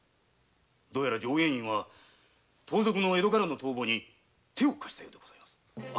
どうやら浄円院は盗賊の江戸からの逃亡に手を貸したようです。